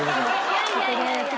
いやいやいやいや。